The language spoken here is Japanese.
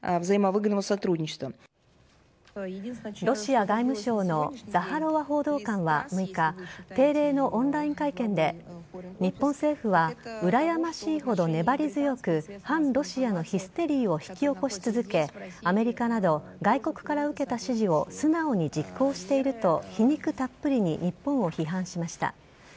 ロシア外務省のザハロワ報道官は６日定例のオンライン会見で日本政府はうらやましいほど粘り強く反ロシアのヒステリーを引き起こし続けアメリカなど外国から受けた指示を素直に実行していると皮肉たっぷりに日本を批判しました。